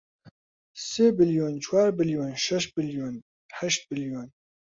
سێ بلیۆن، چوار بلیۆن، شەش بلیۆن، هەشت بلیۆن